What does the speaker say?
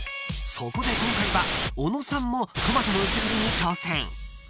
［そこで今回は小野さんもトマトの薄切りに挑戦］